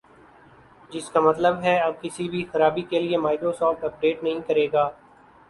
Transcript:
جس کا مطلب ہے اب کسی بھی خرابی کے لئے مائیکروسافٹ اپ ڈیٹ نہیں کرے گا